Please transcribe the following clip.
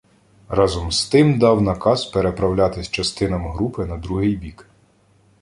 Разом з тим дав наказ переправлятись частинам групи на другий бік.